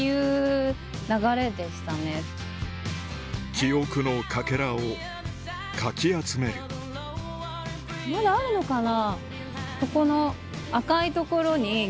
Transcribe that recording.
記憶のかけらをかき集めるまだあるのかな？